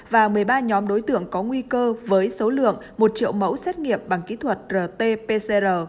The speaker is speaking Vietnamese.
và một mươi ba nhóm đối tượng có nguy cơ với số lượng một triệu mẫu xét nghiệm bằng kỹ thuật rt pcr